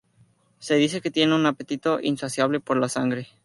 Se dice que tienen un apetito insaciable por la sangre.